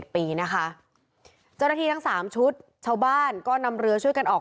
๓๑ปีนะคะนังสาวชุดชาวบ้านก็นำเรือช่วยกันออก